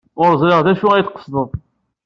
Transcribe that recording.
Ur ẓriɣ d acu ay d-tqesdeḍ.